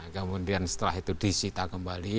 kemudian setelah itu disita kembali